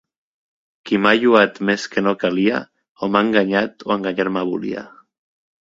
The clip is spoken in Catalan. Qui m'ha lloat més que no calia, o m'ha enganyat o enganyar-me volia.